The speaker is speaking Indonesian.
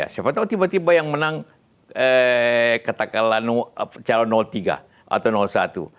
siapa tahu tiba tiba yang menang katakanlah calon tiga atau satu